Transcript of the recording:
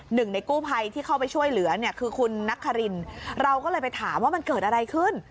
หนึ่งในกู้ภัยที่เข้าไปช่วยเหลือเนี่ยคือคุณนักคารินเราก็เลยไปถามว่ามันเกิดอะไรขึ้น